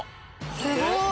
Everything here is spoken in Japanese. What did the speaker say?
すごい！